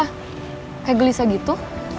kayak gelisah gitu